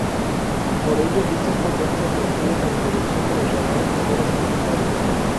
Por ello dichas potencias requieren la introducción de los llamados números imaginarios.